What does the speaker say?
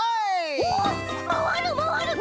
おおまわるまわる！